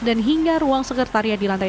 dan hingga ruang sekretaria di lantai satu